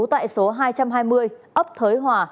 tại số hai trăm hai mươi ấp thới hòa